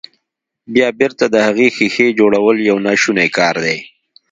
بيا بېرته د هغې ښيښې جوړول يو ناشونی کار دی.